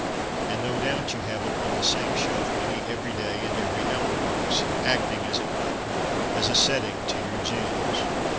And no doubt you have upon the same shelf many every day and every hour books, acting, as it were, as a setting to your gems.